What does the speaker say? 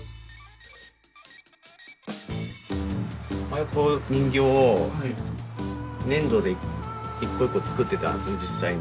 前この人形を粘土で一個一個作ってたんですよね実際に。